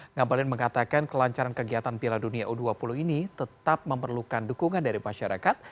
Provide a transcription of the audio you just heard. ngabalin mengatakan kelancaran kegiatan piala dunia u dua puluh ini tetap memerlukan dukungan dari masyarakat